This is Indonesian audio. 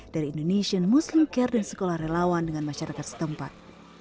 dari indonesian muslim care dan sekolah relawan dengan masyarakat setempat